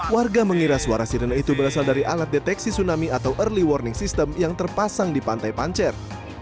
warga mengira suara sirene itu berasal dari alat deteksi tsunami atau early warning system yang terpasang di pantai pancer